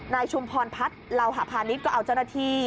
นายชุมภรพัฒน์เหล่าหาพานิตก็เอาเจ้าหน้าที่